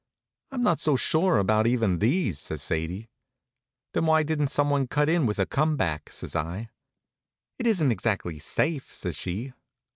"I'm not so sure about even these," says Sadie. "Then why didn't someone cut in with a come back?" says I. "It isn't exactly safe," says she.